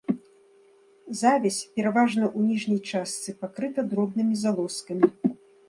Завязь, пераважна ў ніжняй частцы, пакрыта дробнымі залозкамі.